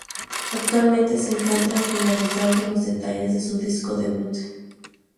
Actualmente se encuentran finalizando los detalles de su disco debut.